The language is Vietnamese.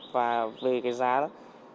và về cái giá đó